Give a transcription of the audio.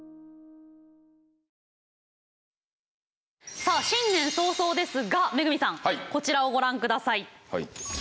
さあ新年早々ですが恵さんこちらをご覧下さい。